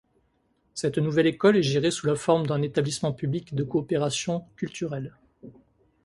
Cette nouvelle école est gérée sous la forme d'un Établissement Public de Coopération Culturelle.